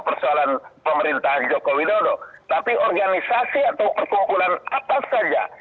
persoalan pemerintahan joko widodo tapi organisasi atau perkumpulan apa saja